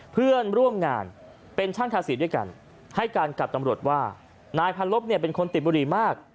เพื่อนร่วมงานเป็นช่างทาสีด้วยกันให้การกับตำรวจว่านายพันลบเนี่ยเป็นคนติดบุหรี่มาก